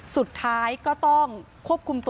สุดท้ายก็ต้องควบคุมตัว